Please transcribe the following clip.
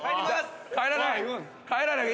帰らないよ。